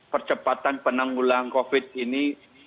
percepatan penanggulangan covid ini